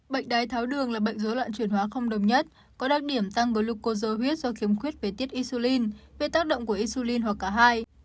bệnh đáy tháo đường là bệnh dối lạn chuyển hóa không đồng nhất có đặc điểm tăng glucosa huyết do khiếm khuyết về tiết insulin về tác động của insulin hoặc cả hai